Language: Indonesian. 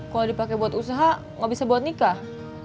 kalau dipakai buat usaha gak bisa buat nikah